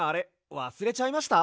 わすれちゃいました？